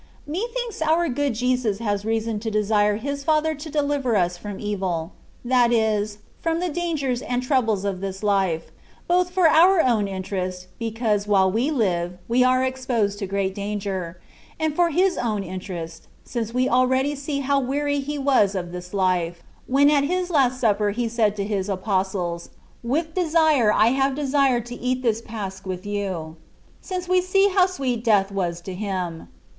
Methinks our good Jesus has reason to desire His Father to deliver us from evil (that is, from the dangers and troubles of this liife), both for our own interest, because, while we live, we are exposed to great danger ; and for His own inter est, since we already see how weary He was of this life, when at His last supper He said to His apostles, " With desire have I desired to eat this Pasch with you:^' since we see how sweet death was to Him.